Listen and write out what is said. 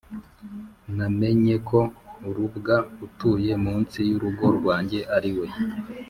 namenye ko rubwa utuye munsi y'urugo rwanjye ariwe